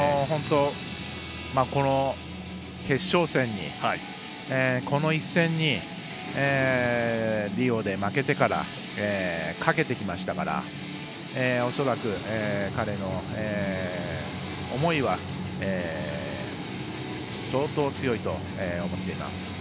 この決勝戦に、この一戦にリオで負けてからかけてきましたから恐らく、彼の思いは相当強いと思っています。